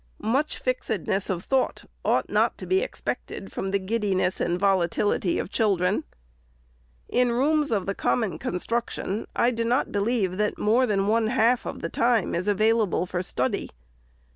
Much fixedness of thought ought not to be expected from the giddiness and volatility of children. In rooms of the common construc tion, I do not believe that more than one half of the time is available for study.